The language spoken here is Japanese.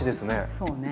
そうね。